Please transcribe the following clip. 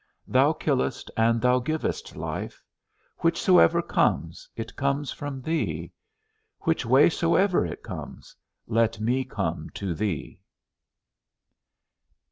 Thou killest and thou givest life: whichsoever comes, it comes from thee; which way soever it comes, let me come to thee.